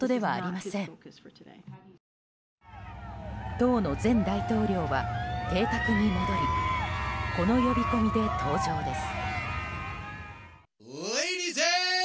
当の前大統領は邸宅に戻りこの呼び込みで登場です。